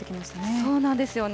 そうなんですよね。